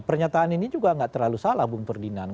pernyataan ini juga nggak terlalu salah bung ferdinand